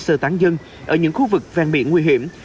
giúp đỡ bán dân ở những khu vực vàng miệng nguy hiểm